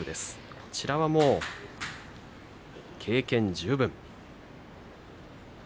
こちらは経験十分。